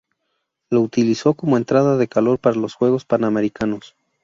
Lo utilizó como entrada de calor para los Juegos Panamericanos.